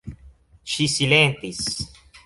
Ŝi silentis.